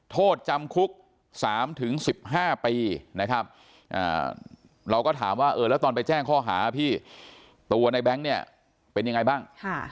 โทษจำคุก๓๑๕ปีนะครับเราก็ถามว่าเออแล้วตอนไปแจ้งข้อหาพี่ตัวในแบงค์เนี่ยเป็นยังไงบ้าง